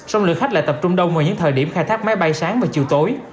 sông lượng khách lại tập trung đông vào những thời điểm khai thác máy bay sáng và chiều tối